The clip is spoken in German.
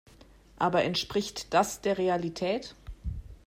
Aber entspricht das der Realität?